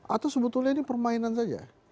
atau sebetulnya ini permainan saja